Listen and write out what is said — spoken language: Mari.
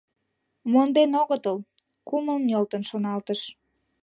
Монден огытыл, — кумыл нӧлтын шоналтыш.